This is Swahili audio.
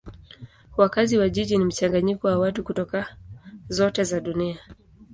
Wakazi wa jiji ni mchanganyiko wa watu kutoka zote za dunia.